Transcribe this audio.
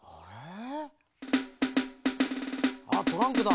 あっトランクだ。